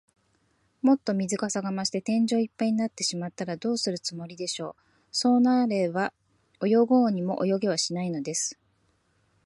もっと水かさが増して、天井いっぱいになってしまったら、どうするつもりでしょう。そうなれば、泳ごうにも泳げはしないのです。